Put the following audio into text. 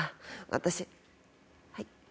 私はい？